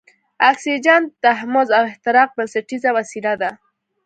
اکسیجن د تحمض او احتراق بنسټیزه وسیله ده.